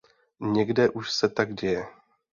Někde už se tak děje.